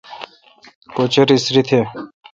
کُچَر اسری تھہ۔